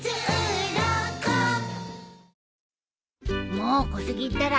もう小杉ったら